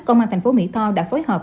công an thành phố mỹ tho đã phối hợp